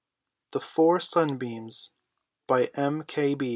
] THE FOUR SUNBEAMS. BY M.